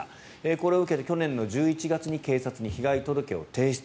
これを受けて去年の１１月に警察に被害届を提出。